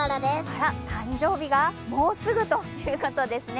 あら、誕生日がもうすぐということですね。